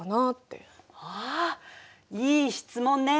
あいい質問ね。